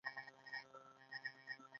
د هېواد اړتیاوې له دې بحثونو مخکې دي.